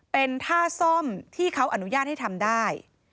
เป็นท่าซ่อมที่เขาอนุญาตให้ทำได้